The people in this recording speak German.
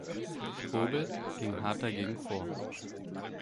Strobel ging hart dagegen vor.